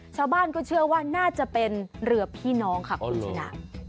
ชาวบ้านก็เชื่อว่าน่าจะเป็นเรือพี่น้องค่ะคุณชนะ